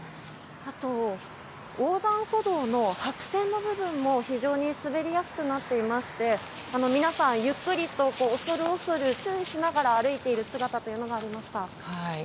あと、横断歩道の白線の部分も非常に滑りやすくなっていまして皆さん、ゆっくりと恐る恐る注意しながら歩いている姿がありました。